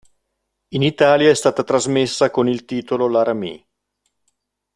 In Italia è stata trasmessa con il titolo "Laramie".